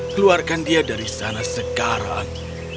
keluarkan dia dari sana sekarang